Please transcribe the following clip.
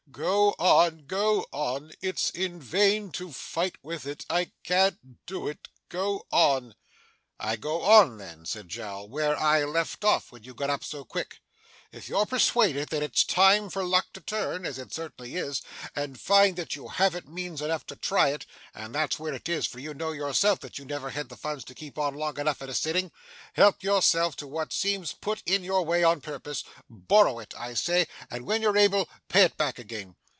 'Go on, go on. It's in vain to fight with it; I can't do it; go on.' 'I go on then,' said Jowl, 'where I left off, when you got up so quick. If you're persuaded that it's time for luck to turn, as it certainly is, and find that you haven't means enough to try it (and that's where it is, for you know, yourself, that you never have the funds to keep on long enough at a sitting), help yourself to what seems put in your way on purpose. Borrow it, I say, and, when you're able, pay it back again.